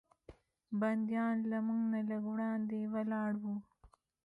بندیان له موږ نه لږ وړاندې ولاړ و.